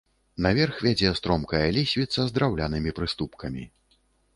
Наверх вядзе стромкая лесвіца з драўлянымі прыступкамі.